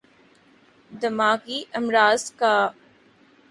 دماغی امراض کا ب